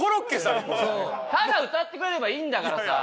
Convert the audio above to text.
ただ歌ってくれればいいんだからさ。